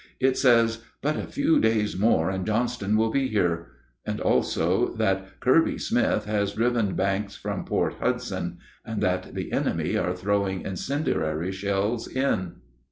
It says, "But a few days more and Johnston will be here"; also that "Kirby Smith has driven Banks from Port Hudson," and that "the enemy are throwing incendiary shells in."